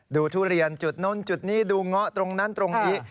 ทุเรียนจุดนู้นจุดนี้ดูเงาะตรงนั้นตรงนี้